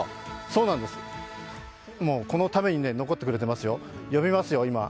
そうなんです、このために残ってくれてますよ、呼びますよ。